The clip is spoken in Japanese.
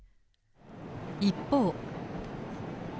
一方。